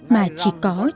mà chỉ có một người bạn